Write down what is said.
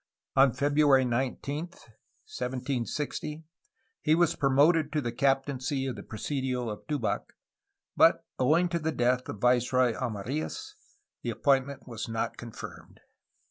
On February 19, 1760, he was promoted to the captaincy of the presidio of Tubac, but, owing to the death of Viceroy Amarillas, the appointment was not confirmed.